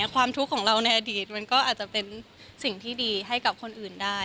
ความทุกข์ของเราในอดีตมันก็อาจจะเป็นสิ่งที่ดีให้กับคนอื่นได้